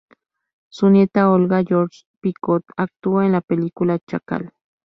Su nieta Olga Georges-Picot actuó en la película Chacal.